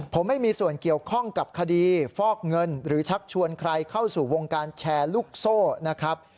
ผมไม่มีส่วนเกี่ยวข้องกับคดีฟอกเงินหรือชักชวนใครเข้าสู่วงการแชร์ลูกโซ่นะครับ